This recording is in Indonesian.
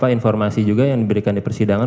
informasi juga yang diberikan di persidangan